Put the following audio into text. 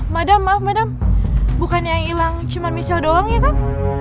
maaf ma'am bukannya yang hilang cuma michelle doang ya kan